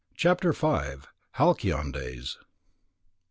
CHAPTER V. HALCYON DAYS.